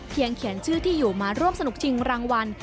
เขียนชื่อที่อยู่มาร่วมสนุกชิงรางวัล